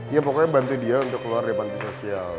ya pokoknya bantu dia untuk keluar dari panti sosial